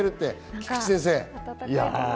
菊地先生。